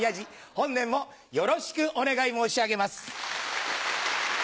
本年もよろしくお願い申し上げます。